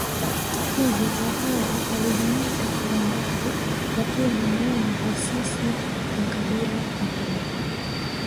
Hivyo Wapare walijiita Vambare wakiwa na maana ya sisi wa kabila moja